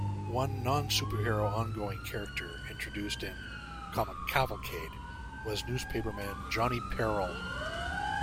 One non-superhero ongoing character introduced in "Comic Cavalcade" was newspaperman Johnny Peril.